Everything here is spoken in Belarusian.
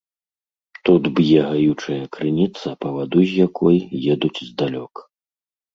Тут б'е гаючая крыніца, па ваду з якой едуць здалёк.